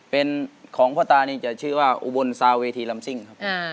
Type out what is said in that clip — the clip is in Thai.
เป็นของพ่อตานี่จะชื่อว่าอุบลซาเวทีลำซิ่งครับ